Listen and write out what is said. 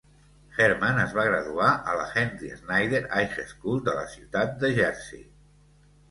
Herman es va graduar a la Henry Snyder High School de la ciutat de Jersey.